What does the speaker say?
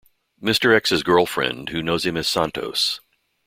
Mister X's girlfriend, who knows him as "Santos".